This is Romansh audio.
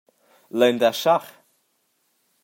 Lein dar schah?